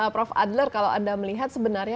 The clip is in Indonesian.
prof adler kalau anda melihat sebenarnya